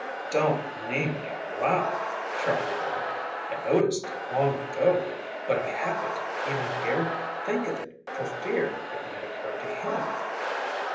"Don't name it out loud," Charley begged. "I noticed it long ago, but I haven't even dared think of it for fear it might occur to him."